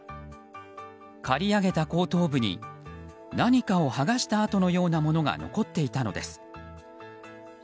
刈り上げた後頭部に何かを剥がした跡のようなものが残っていたのです。